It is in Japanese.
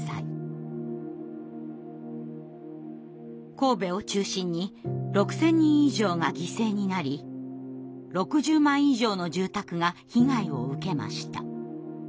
神戸を中心に６，０００人以上が犠牲になり６０万以上の住宅が被害を受けました。